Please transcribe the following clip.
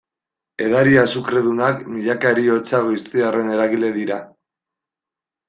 Edari azukredunak, milaka heriotza goiztiarren eragile dira.